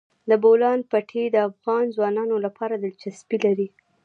د بولان پټي د افغان ځوانانو لپاره دلچسپي لري.